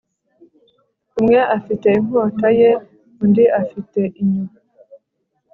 Umwe afite inkota ye undi afite inyo